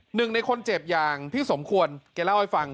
หนึ่งในคนเจ็บอย่างพี่สมควรแกเล่าให้ฟัง